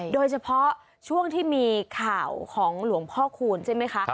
โดยเฉพาะช่วงที่มีข่าวของหลวงพ่อคูณใช่ไหมคะ